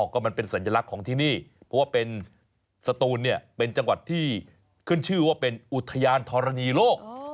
อ้อก็มันเป็นสัญลักษณ์ของที่นี่เพราะสตูลเป็นจังหวัดที่ขึ้นชื่อเป็นอุธิรยาณธรณีโลก